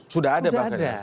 sudah ada pak